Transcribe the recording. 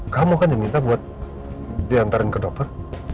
kamu kan yang minta buat diantarin ke dokter